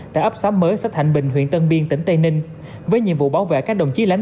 tại ấp xóm mới xã thạnh bình huyện tân biên tỉnh tây ninh với nhiệm vụ bảo vệ các đồng chí lãnh